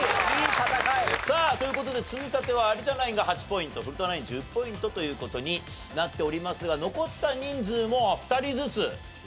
さあという事で積み立ては有田ナインが８ポイント古田ナイン１０ポイントという事になっておりますが残った人数も２人ずつですか。